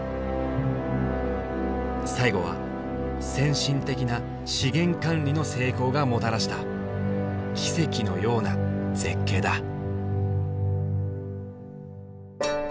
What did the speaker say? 最後は先進的な資源管理の成功がもたらした奇跡のような絶景だ。